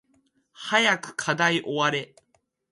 早く課題終われ